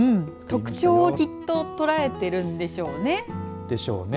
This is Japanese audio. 特徴をきっと捉えているんでしょうね。でしょうね。